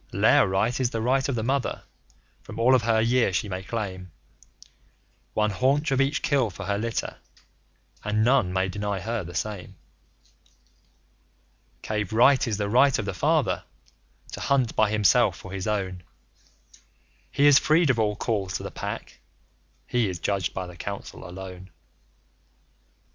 Lair Right is the right of the Mother. From all of her year she may claim One haunch of each kill for her litter, and none may deny her the same. Cave Right is the right of the Father to hunt by himself for his own. He is freed of all calls to the Pack; he is judged by the Council alone.